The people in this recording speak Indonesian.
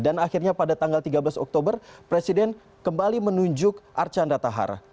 akhirnya pada tanggal tiga belas oktober presiden kembali menunjuk archandra tahar